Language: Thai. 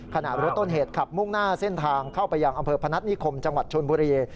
ขณะรถต้นเหตุขับมุ่งหน้าเส้นทางเข้าไปยังอำเภอพนัฐนิคมจังหวัดชนบุรี